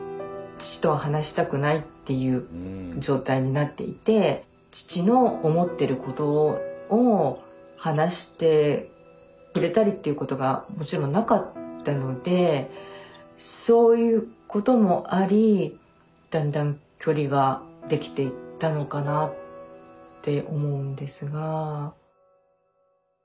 父とは話したくないっていう状態になっていて父の思ってることを話してくれたりっていうことがもちろんなかったのでそういうこともありだんだん距離ができていったのかなって思うんですが。